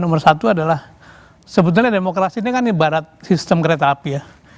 nomor satu adalah sebetulnya demokrasi ini kan ibarat sistem kereta api ya